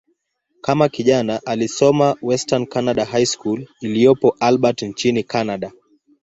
Kama kijana, alisoma "Western Canada High School" iliyopo Albert, nchini Kanada.